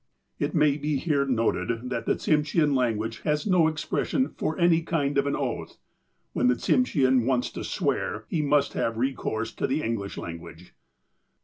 It may be here noted that the Tsimshean language has no expression for any kind of an oath. When the Tsim shean wants to swear, he must have recourse to the Eng lish language.